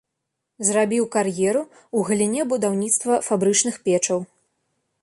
Зрабіў кар'еру ў галіне будаўніцтва фабрычных печаў.